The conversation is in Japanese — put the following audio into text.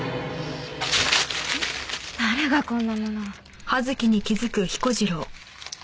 誰がこんなものを。